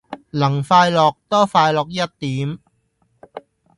能快樂，多快樂一點。